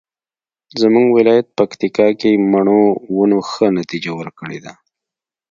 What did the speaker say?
زمونږ ولایت پکتیکا کې مڼو ونو ښه نتیجه ورکړې ده